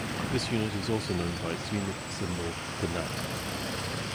This unit is also known by its unit symbol, the nat.